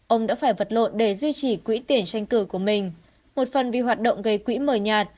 ông đã phải vật lộn để duy trì quỹ tiền tranh cử của mình một phần vì hoạt động gây quỹ mờ nhạt